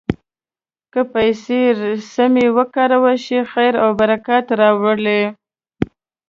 که پیسې سمې وکارول شي، خیر او برکت راولي.